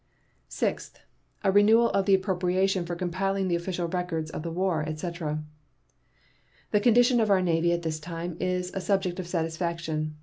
Sixth. A renewal of the appropriation for compiling the official records of the war, etc. The condition of our Navy at this time is a subject of satisfaction.